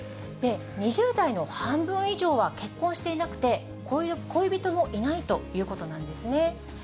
２０代の半分以上は結婚していなくて、恋人もいないということなんですね。